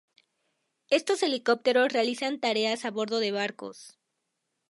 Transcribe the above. Estos helicópteros realizan tareas a bordo de barcos.